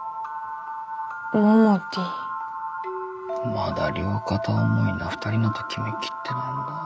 まだ両片思いな２人のトキメキってなんだ。